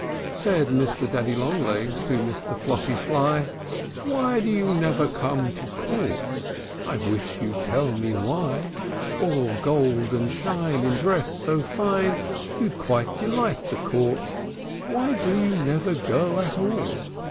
Said Mr. Daddy Long legs To Mr. Floppy Fly, "Why do you never come to court? I wish you 'd tell me why. All gold and shine, in dress so fine, You'd quite delight the court. Why do you never go at all?